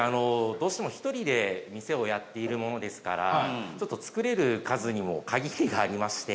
どうしても１人で店をやっているものですからちょっと、作れる数にも限りがありまして。